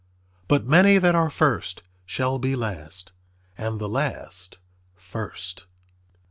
But many that are first shall be last; and the last first."